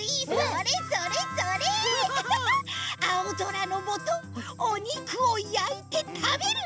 あおぞらのもとおにくをやいてたべる！